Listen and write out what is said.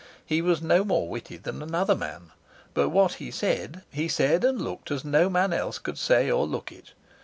He was no more witty than another man, but what he said, he said and looked as no man else could say or look it.